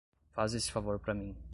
Faz esse favor pra mim